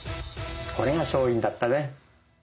これが勝因だったね。